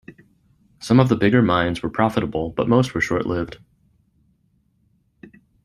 Some of the bigger mines were profitable but most were short-lived.